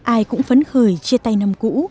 ai cũng phấn khởi chia tay năm cũ